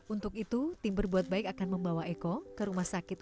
untuk itu tim berbuat baik akan membawa eko ke rumah sakit